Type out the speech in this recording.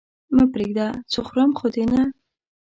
مه پرېږده! څه خورم خو دې نه؟